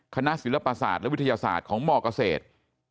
คณะศิลปศาสตร์และวิทยาศาสตร์ของมเกษตร